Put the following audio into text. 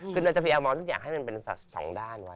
คือเราจะพยายามมองทุกอย่างให้มันเป็นสัตว์สองด้านไว้